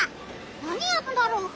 何やってるんだろう？